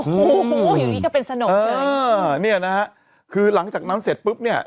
โอ้โหอย่างนี้ก็เป็นสนุกใช่ไหมเออเนี่ยนะฮะคือหลังจากนั้นเสร็จปุ๊บเนี่ย